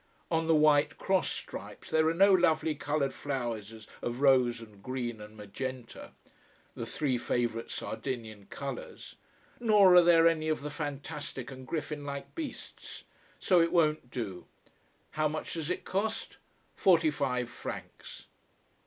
On the white cross stripes there are no lovely colored flowers of rose and green and magenta: the three favorite Sardinian colors: nor are there any of the fantastic and griffin like beasts. So it won't do. How much does it cost? Forty five francs.